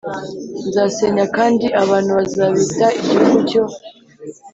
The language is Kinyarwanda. nzasenya kandi abantu bazabita Igihugu cyo